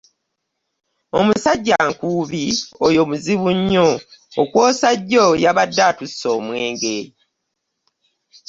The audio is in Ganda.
Omusajja Nkuubi oyo muzibu nnyo okwosa jjo yabadde atussa omwenge.